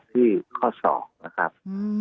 ที่ข้อ๒นะครับ